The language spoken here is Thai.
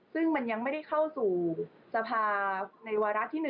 ซึ่งมันยังไม่ได้เข้าสู่สภาในวาระที่๑